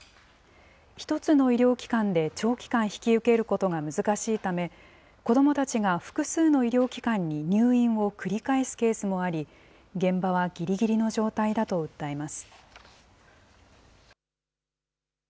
１つの医療機関で長期間引き受けることが難しいため、子どもたちが複数の医療機関に入院を繰り返すケースもあり、現場はぎりぎりの状態だと訴えます。